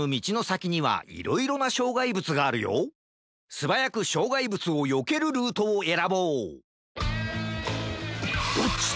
すばやくしょうがいぶつをよけるルートをえらぼうどっちだ！？